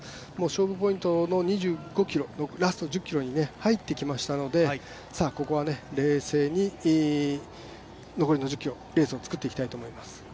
勝負ポイントの２５ｋｍ、ラスト１０ｋｍに入ってきましたのでここは冷静に残りの１０ｋｍレースを作っていきたいと思います。